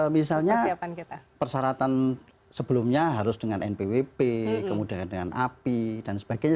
misalnya persyaratan sebelumnya harus dengan npwp kemudian dengan api dan sebagainya